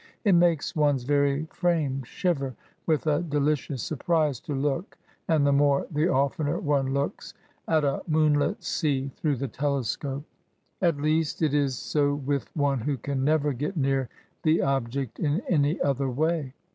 It makes one's very frame shiver with a delicious surprise to look^ (and the more, the oftener one looks,) at a moonlit sea through the telescope ; at least, it is so with one who can never get near the object in any other way.